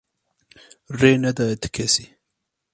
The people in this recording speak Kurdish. Rê nedaye ti kesî.